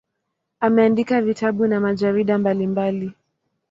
Ameandika vitabu na majarida mbalimbali.